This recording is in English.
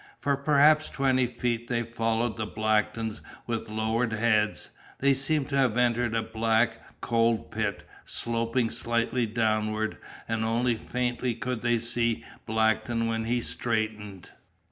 For perhaps twenty feet they followed the Blacktons with lowered heads. They seemed to have entered a black, cold pit, sloping slightly downward, and only faintly could they see Blackton when he straightened.